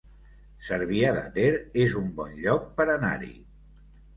Cervià de Ter es un bon lloc per anar-hi